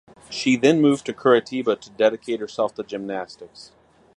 She then moved to Curitiba to dedicate herself to gymnastics.